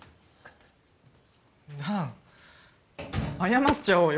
弾謝っちゃおうよ